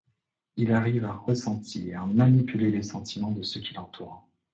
Il arrive à ressentir, manipuler les sentiments de ceux qui l'entourent.